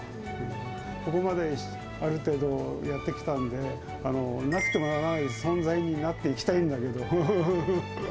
ここまである程度やってきたんで、なくてはならない存在になっていきたいんだけど。